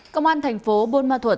công an thành phố bôn ma thuật